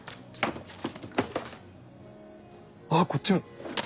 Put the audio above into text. あっこっちも。